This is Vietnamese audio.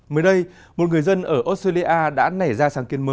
mới đây một người dân ở australia đã nảy ra sang kiến thức